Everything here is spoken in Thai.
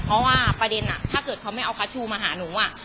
เพราะว่าประเด็นถ้าเกิดเขาไม่เอาคัชชูมาหาหนู